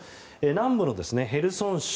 南部のヘルソン州